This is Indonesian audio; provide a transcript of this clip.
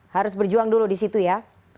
harus berjuang dulu di situ ya